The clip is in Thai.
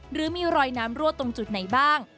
หรือมีรอยน้ำรั่วตรงจุดไหนบ้าง